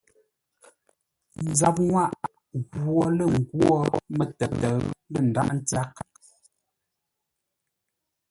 Nzap-nŋwâʼ ghwo lə́ nghwó mə́təʉ lə́ ndághʼ ntyághʼ.